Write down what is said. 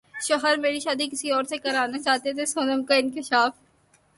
شوہر میری شادی کسی اور سے کرانا چاہتے تھے سونم کا انکشاف